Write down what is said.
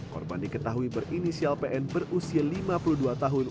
korban diketahui berinisial pn berusia lima puluh dua tahun